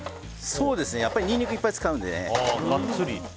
やっぱりニンニクをいっぱい使うのでね。